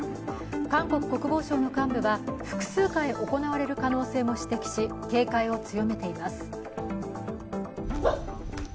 韓国国防省の幹部は複数回行われる可能性も指摘し、警戒を強めています。